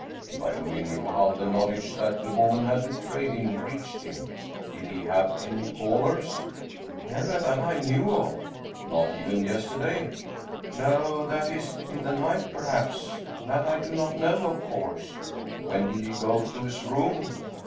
If I only knew how the knowl edge that the woman had betrayed him reached him. Did he have any callers ?"" Never, that I knew of." " Not even yesterday ?"" No that is, in the night perhaps. That I do not know, of course." " When did he go to his room